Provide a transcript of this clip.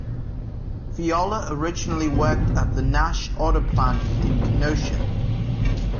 Fiala originally worked at the Nash auto plant in Kenosha.